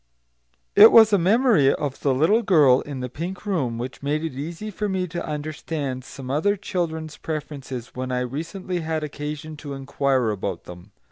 It was a memory of the little girl in the pink room which made it easy for me to understand some other children's preferences when I recently had occasion to inquire about them.